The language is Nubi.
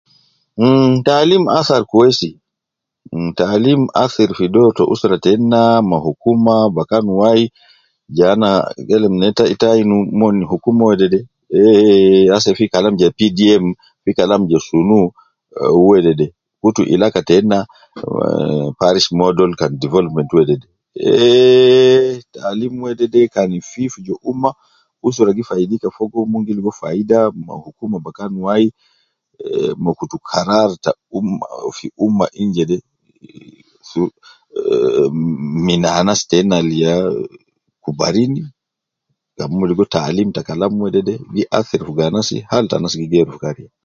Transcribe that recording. Mmm talim athar kwesi imm taalim athat fi dor teina ma ta hukuma bakan wai ja ana kelem neita tainu hukuma wede asede fi Kalama ja pdm usra gi faidika min fogo